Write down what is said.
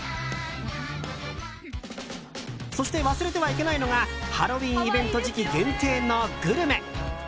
そして、忘れてはいけないのがハロウィーンイベント時期限定のグルメ！